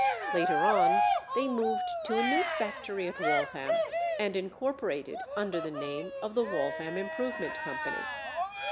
Later on, they moved to a new factory at Waltham and incorporated under the name of the Waltham Improvement Company.